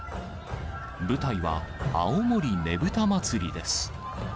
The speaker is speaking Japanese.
舞台は青森ねぶた祭です。